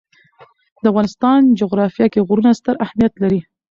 د افغانستان جغرافیه کې غرونه ستر اهمیت لري.